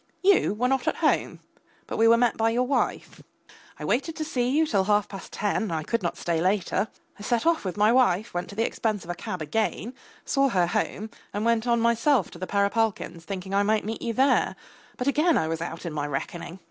You were not at home, but we were met by your wife. I waited to see you till half past ten, I could not stay later. I set off with my wife, went to the expense of a cab again, saw her home, and went on myself to the Perepalkins', thinking I might meet you there, but again I was out in my reckoning.